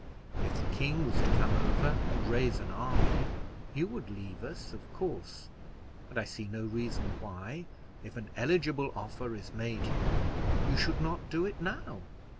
If the king was to come and raise an army, you would leave us, of course; and I see no reason why, if an eligible offer is made you, you should not do it now.